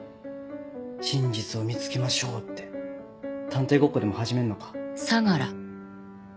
真実を見つけましょうって探偵ごっこでも始めんのか？